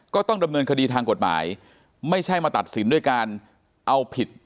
ก็ต้องดำเนินคดีทางกฎหมายไม่ใช่มาตัดสินด้วยการเอาผิด